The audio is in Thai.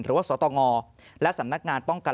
หรือว่าสตงและสำนักงานป้องกัน